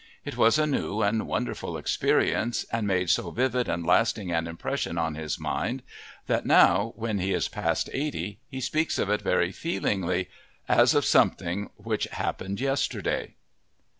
It was a new and wonderful experience, and made so vivid and lasting an impression on his mind that now, when he is past eighty, he speaks of it very feelingly as of something which happened yesterday.